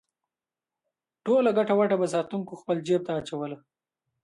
ټوله ګټه وټه به ساتونکو خپل جېب ته اچوله.